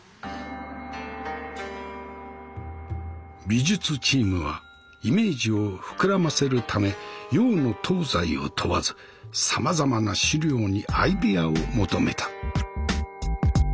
美術チームはイメージを膨らませるため洋の東西を問わずさまざまな資料にアイデアを求めた。